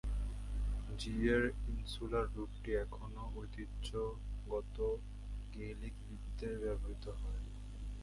জি-এর insular রূপটি এখনও ঐতিহ্যগত গেইলিক লিপিতে ব্যবহৃত হয়।